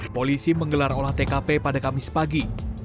polisi menggelar olah tkp pada kamis pagi